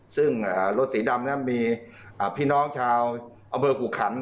ซึ่งรถสีดำมีพี่น้องชาวเอาเบอร์กุกขัน